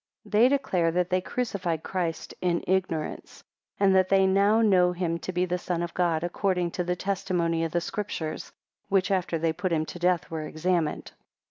14 They declare that they crucified Christ in ignorance, and that they now know him to be the Son of God, according to the testimony of the Scriptures; which, after they put him to death, were examined.